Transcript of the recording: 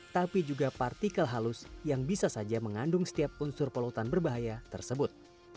tapi juga partikel halus yang bisa saja mengandung setiap unsur polutan berbahaya tersebut